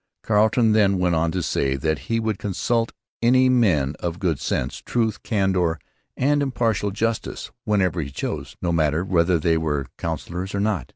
Carleton then went on to say that he would consult any 'Men of Good Sense, Truth, Candour, and Impartial Justice' whenever he chose, no matter whether they were councillors or not.